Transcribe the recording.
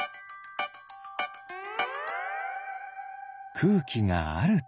くうきがあると。